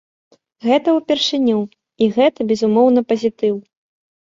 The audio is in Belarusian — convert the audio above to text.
Гэта ўпершыню і гэта безумоўна пазітыў!